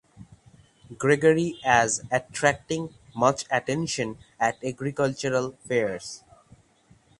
Gregory as attracting much attention at agricultural fairs.